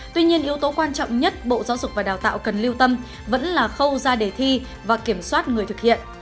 tuy nhiên yếu tố quan trọng nhất bộ giáo dục và đào tạo cần lưu tâm vẫn là khâu ra đề thi và kiểm soát người thực hiện